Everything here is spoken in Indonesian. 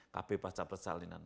kb pasca persalinan